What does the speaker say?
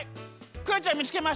クヨちゃん見つけました！